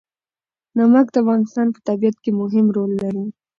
نمک د افغانستان په طبیعت کې مهم رول لري.